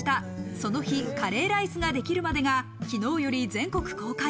『その日、カレーライスができるまで』が昨日より全国公開。